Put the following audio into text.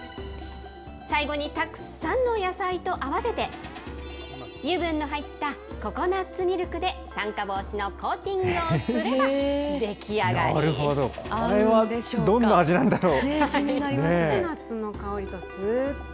最後にたくさんの野菜と合わせて、油分の入ったココナツミルクで酸化防止のコーティングをすれば出なるほど、これはどんな味なんだろう。